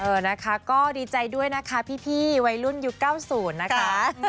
เออนะคะก็ดีใจด้วยนะคะพี่วัยรุ่นยุค๙๐นะคะ